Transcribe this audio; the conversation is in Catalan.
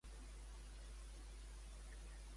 Segons la Vǫlospá, de què s'alimenta?